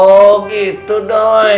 oh gitu doi